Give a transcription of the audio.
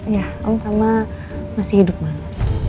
iya om tamah masih hidup mama